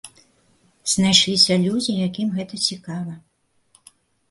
Знайшліся людзі, якім гэта цікава.